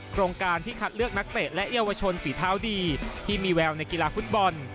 โครงการที่คัดเลือกนักเตะและเยาวชนฝีเท้าดีที่มีแววในกีฬาฟุตบอล